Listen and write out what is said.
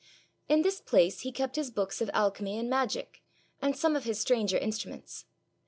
In this place he kept his books of alchemy and magic, and some of his stranger instruments.